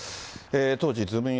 当時、ズームイン！！